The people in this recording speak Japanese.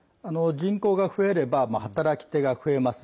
人口が増えれば働き手が増えます。